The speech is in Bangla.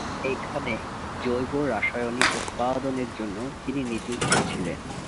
এখানে জৈব রাসায়নিক উৎপাদনের জন্য তিনি নিযুক্ত ছিলেন।